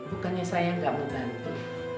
bukannya saya gak mau bantu